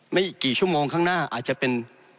ไม่กี่ชั่วโมงข้างหน้าอาจจะเป็น